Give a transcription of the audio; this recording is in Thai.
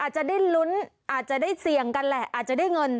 จะได้ลุ้นอาจจะได้เสี่ยงกันแหละอาจจะได้เงิน